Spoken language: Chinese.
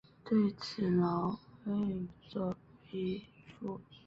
对此毛未作批复。